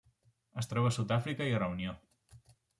Es troba a Sud-àfrica i Reunió.